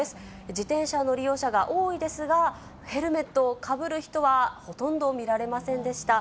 自転車の利用者が多いですが、ヘルメットをかぶる人はほとんど見られませんでした。